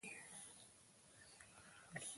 ناحیه څه ډول اداره کیږي؟